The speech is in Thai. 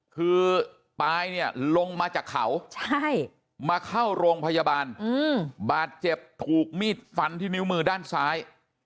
คือปายเนี่ยลงมาจากเขามาเข้าโรงพยาบาลบาดเจ็บถูกมีดฟันที่นิ้วมือด้านซ้าย